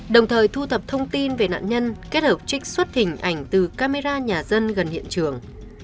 đồng thời thu thập thông tin về nạn nhân kết hợp trích xuất hình ảnh từ camera nhà dân gần hiện trường